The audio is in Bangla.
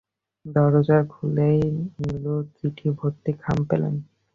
দরজা খুলেই নীলুর চিঠিভর্তি খাম পেলেন।